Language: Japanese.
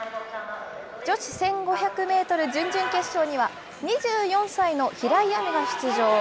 女子１５００メートル準々決勝には、２４歳の平井亜実が出場。